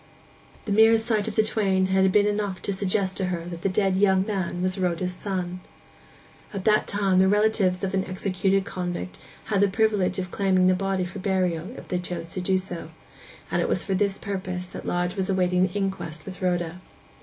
The mere sight of the twain had been enough to suggest to her that the dead young man was Rhoda's son. At that time the relatives of an executed convict had the privilege of claiming the body for burial, if they chose to do so; and it was for this purpose that Lodge was awaiting the inquest with Rhoda.